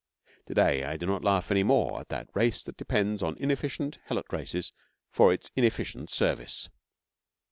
To day I do not laugh any more at the race that depends on inefficient helot races for its inefficient service.